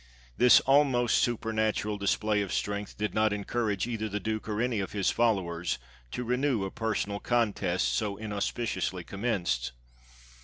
This almost supernatural display of strength did riot encourage either the Duke or any of his followers, to renew a personal contest so inauspiciously commenced.